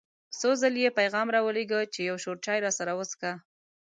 څو ځله یې پیغام را ولېږه چې یو شور چای راسره وڅښه.